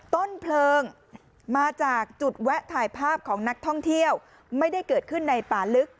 ต้นเพลิงมาจากจุดแวะถ่ายภาพของนักท่องเที่ยวไม่ได้เกิดขึ้นในป่าลึก